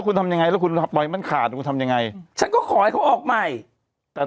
ก็ไม่ได้ปิดธนาคารเองแล้วก็แบบ